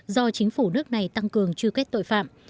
do chính phủ nước này tăng cường truy quét tội phạm